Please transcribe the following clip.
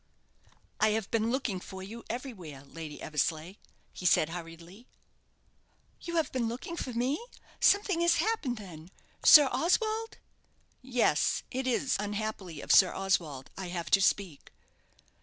"I have been looking for you everywhere, Lady Eversleigh," he said, hurriedly. "You have been looking for me? Something has happened then Sir Oswald " "Yes, it is, unhappily, of Sir Oswald I have to speak."